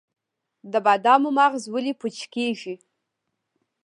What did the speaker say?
د بادامو مغز ولې پوچ کیږي؟